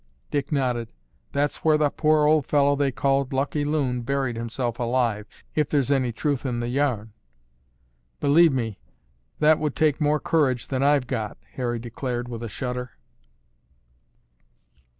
Dick nodded. "That's where the poor old fellow they called 'Lucky Loon' buried himself alive, if there's any truth in the yarn." "Believe me, that would take more courage than I've got," Harry declared with a shudder.